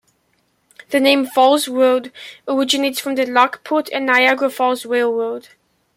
The name "Falls Road" originates from the Lockport and Niagara Falls Railroad.